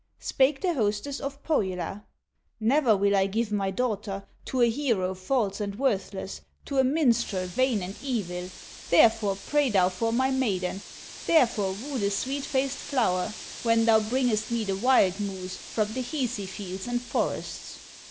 Spake the hostess of Pohyola: "Never will I give my daughter To a hero false and worthless, To a minstrel vain and evil; Therefore, pray thou for my maiden, Therefore, woo the sweet faced flower, When thou bringest me the wild moose From the Hisi fields and forests."